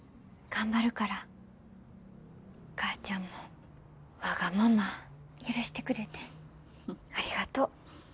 お母ちゃんもわがまま許してくれてありがとう。